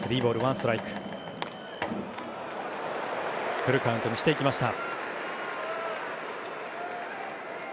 フルカウントにしていきました。